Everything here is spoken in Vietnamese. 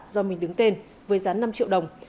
do mình đứng tên với giá năm triệu đồng